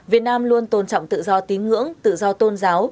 việt nam luôn tôn trọng tự do tín ngưỡng tự do tôn giáo